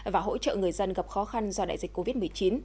và hỗ trợ người dân gặp khó khăn do đại dịch covid một mươi chín